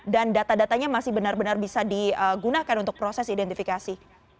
dan data datanya masih benar benar bisa digunakan untuk proses identifikasi